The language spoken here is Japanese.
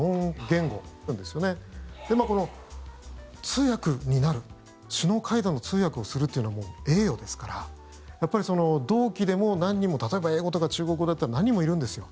通訳になる首脳会談の通訳をするというのは栄誉ですからやっぱり、同期でも何人も例えば、英語とか中国語だったら何人もいるんですよ。